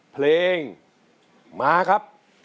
เพลงมาครับ